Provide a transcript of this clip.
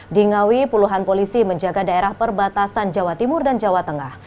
di ngawi puluhan polisi menjaga daerah perbatasan jawa timur dan jawa tengah